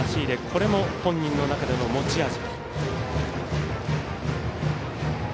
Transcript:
これも本人の中での持ち味。